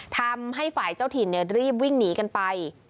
ทำให้ฝ่ายเจ้าถิ่นรีบวิ่งหนีกันไป